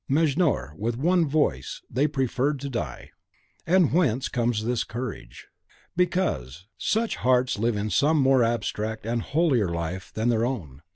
Mejnour, with one voice, they preferred to die. And whence comes this courage? because such HEARTS LIVE IN SOME MORE ABSTRACT AND HOLIER LIFE THAN THEIR OWN.